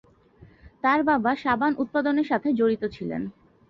তার বাবা সাবান উৎপাদনের সাথে জড়িত ছিলেন।